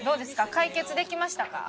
解決できましたか？